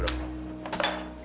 temenin aja dulu